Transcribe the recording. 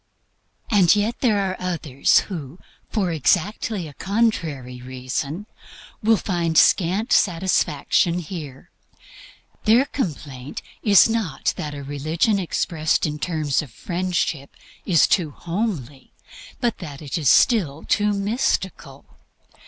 And yet there are others who, for exactly a contrary reason, will find scant satisfaction here. Their complaint is not that a religion expressed in terms of Friendship is too homely, but that it is still too mystical.